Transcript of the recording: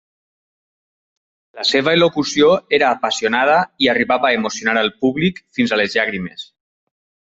La seva elocució era apassionada i arribava a emocionar el públic fins a les llàgrimes.